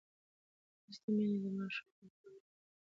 لوستې میندې د ماشوم پر خوړو متوازن تمرکز کوي.